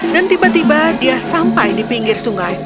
dan tiba tiba dia sampai di pinggir sungai